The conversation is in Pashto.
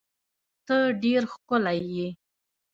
ته ډیر ښکلی یی